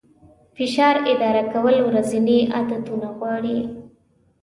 فشار اداره کول ورځني عادتونه غواړي.